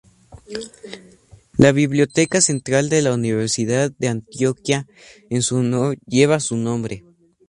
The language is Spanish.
La biblioteca central de la Universidad de Antioquia, en su honor, lleva su nombre.